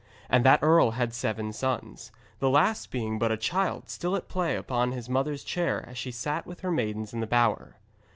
And the earl had seven sons, the last being but a child still at play about his mother's chair as she sat with her maidens in the bower.